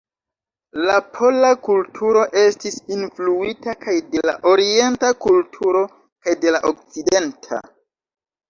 La pola kulturo estis influita kaj de la orienta kulturo kaj de la okcidenta.